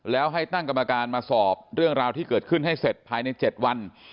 แล้วให้ตั้งกรรมการมาสอบเรื่องราวที่เกิดขึ้นให้เสร็จภายใน๗วัน